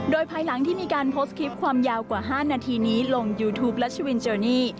โดยภายหลังที่มีการโพสต์คลิปความยาวกว่า๕นาทีนี้ลงยูทูปและชวินเจอนี่